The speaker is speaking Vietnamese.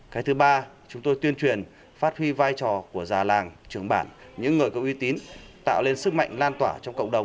cái thứ ba chúng tôi tuyên truyền phát huy vai trò của già làng trưởng bản những người có uy tín tạo lên sức mạnh lan tỏa trong cộng đồng